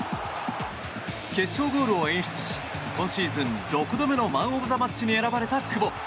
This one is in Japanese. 決勝ゴールを演出し今シーズン６度目のマン・オブ・ザ・マッチに選ばれた久保。